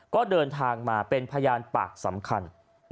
ก็เดินทางมาเป็นพยานปากสำคัญ